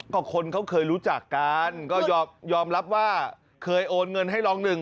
ก็คนเขาเคยรู้จักกันก็ยอมรับว่าเคยโอนเงินให้รองหนึ่ง